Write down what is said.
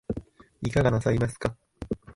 いかがなさいますか